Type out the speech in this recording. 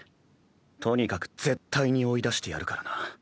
とにかく絶対に追い出してやるからな。